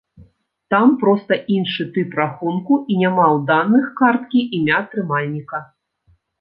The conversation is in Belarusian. Там проста іншы тып рахунку і няма ў даных карткі імя трымальніка.